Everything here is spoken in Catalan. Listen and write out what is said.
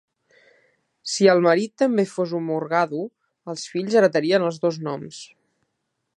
Si el marit també fos un morgado, els fills heretarien els dos noms.